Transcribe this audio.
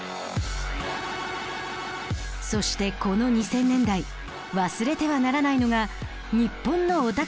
そしてこの２０００年代忘れてはならないのが日本のオタク